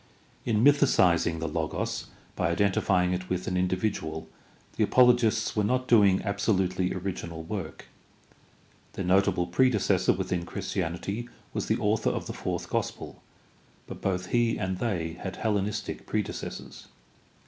In mythicizing the Logos by identifying it with an indi vidual the apologists were not doing absolutely original work. Their notable predecessor within Christianity was the author of the Fourth Gospel, but both he and they had Hellenistic predecessors.